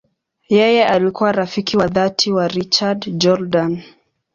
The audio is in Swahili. Yeye alikuwa rafiki wa dhati wa Richard Jordan.